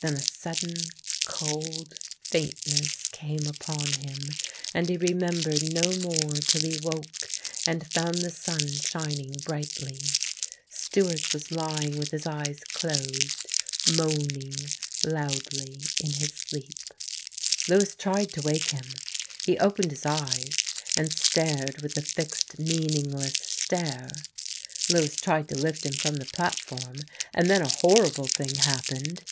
Then a sudden cold faintness came upon him, and he remembered no more till he woke and found the sun shining brightly. Stewart was lying with his eyes closed, moaning loudly in his sleep. Lewis tried to wake him. He opened his eyes and stared with a fixed, meaningless stare. Lewis tried to lift him from the platform, and then a horrible thing happened.